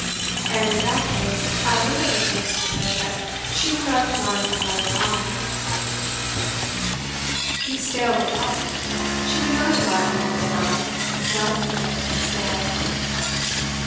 And in that case I would undertake to declare that she would not admire you more than I; Miss Dale would not; she would not admire you more than I; not even Miss Dale."